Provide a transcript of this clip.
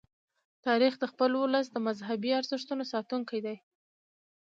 تاریخ د خپل ولس د مذهبي ارزښتونو ساتونکی دی.